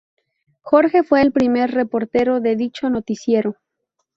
Jorge fue el primer reportero de dicho noticiero.